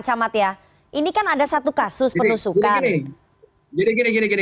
camat ya ini kan ada satu kasus penusukan jadi gini gini